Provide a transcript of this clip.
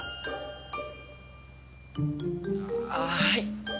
はい！